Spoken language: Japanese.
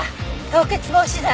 凍結防止剤。